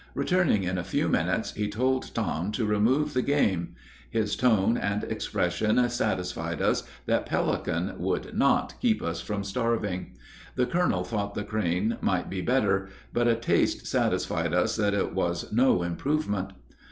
Returning in a few minutes, he told Tom to remove the game. His tone and expression satisfied us that pelican would not keep us from starving. The colonel thought the crane might be better, but a taste satisfied us that it was no improvement.